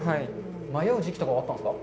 迷う時期とかはあったんですか。